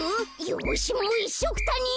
よしもういっしょくたに。